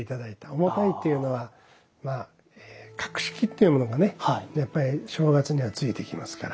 重たいっていうのはまあ格式っていうものがねやっぱり正月にはついてきますから。